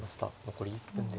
残り１分です。